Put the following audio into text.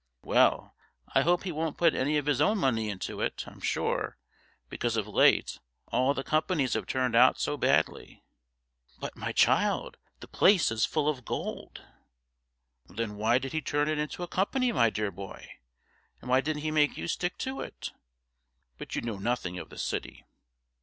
Well, I hope he won't put any of his own money into it, I'm sure, because of late all the companies have turned out so badly.' 'But, my child, the place is full of gold.' 'Then why did he turn it into a company, my dear boy? And why didn't he make you stick to it? But you know nothing of the City.